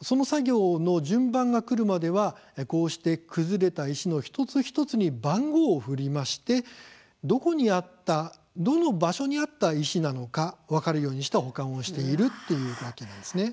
その作業の順番がくるまではこうして崩れた石の一つ一つに番号を振りましてどこにあったどの場所にあった石なのか分かるようにして保管をしているっていうわけなんですね。